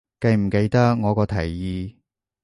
記唔記得我個提議